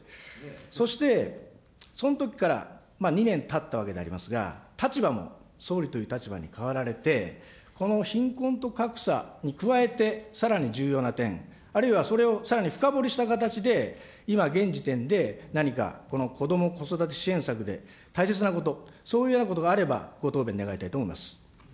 そして、そのときから２年たったわけでありますが、立場も総理という立場に変わられて、この貧困と格差に加えて、さらに重要な点、あるいはそれをさらに深掘りした形で、今現時点で何かこども・子育て支援策で大切なこと、そういうようなことがあればご答弁願いたいと思います。